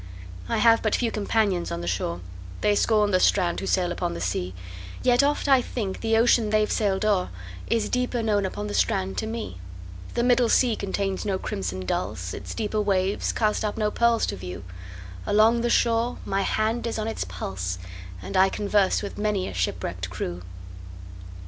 I have but few companions on the shore:They scorn the strand who sail upon the sea; Yet oft I think the ocean they've sailed o'erIs deeper known upon the strand to me. The middle sea contains no crimson dulse, Its deeper waves cast up no pearls to view; Along the shore my hand is on its pulse, And I converse with many a shipwrecked crew.